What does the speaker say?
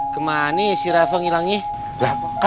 kemana yang rafa suddenly disebut rafa n professionally